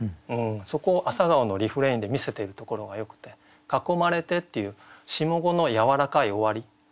そこを「朝顔」のリフレインで見せているところがよくて「囲まれて」っていう下五のやわらかい終わり。